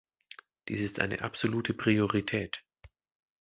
Dies ist eine absolute Priorität!